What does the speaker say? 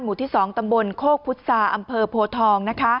ที่๒ตำบลโคกพุษาอำเภอโพทอง